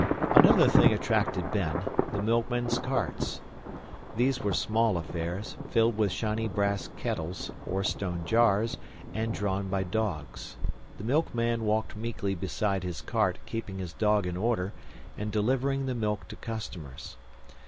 Another thing attracted Ben the milkmen's carts. These were small affairs, filled with shiny brass kettles, or stone jars, and drawn by dogs. The milkman walked meekly beside his cart, keeping his dog in order, and delivering the milk to customers.